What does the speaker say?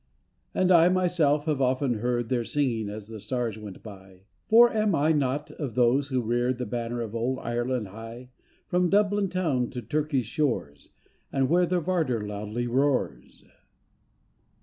And I, myself, have often heard Their singing as the stars went by, For am I not of those who reared The banner of old Ireland high, From Dublin town to Turkey's shores, And where the Vardar loudly roars?